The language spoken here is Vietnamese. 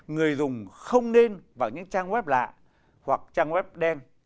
người dùng không nên vào những trang web lạ hoặc trang web đen